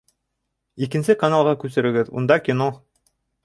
Икенсе каналға күсерегеҙ, унда кино